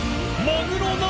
マグロだ！